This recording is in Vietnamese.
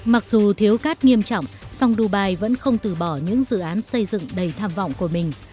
mặc dù thiếu cát nghiêm trọng song dubai vẫn không từ bỏ những dự án xây dựng đầy tham vọng của mình